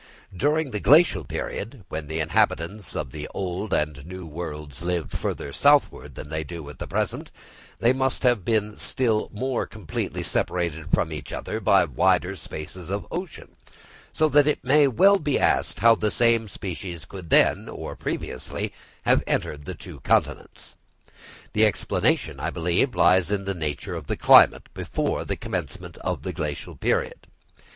During the Glacial period, when the inhabitants of the Old and New Worlds lived further southwards than they do at present, they must have been still more completely separated from each other by wider spaces of ocean; so that it may well be asked how the same species could then or previously have entered the two continents. The explanation, I believe, lies in the nature of the climate before the commencement of the Glacial period.